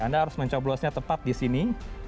anda harus mencoblosnya tepat di sini